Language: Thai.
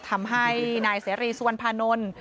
ทำให้นายเสรีสุวรรณภานนท์